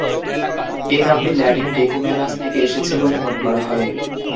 এই নামটি ল্যাটিন "ডেকুম্যানাস" থেকে এসেছে বলে মনে করা হয়।